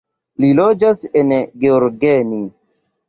Li loĝas en Gheorgheni.